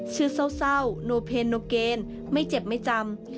ชื่อเศร้าโนเพนโนเกนไม่เจ็บไม่จำ